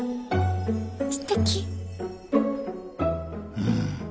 うん。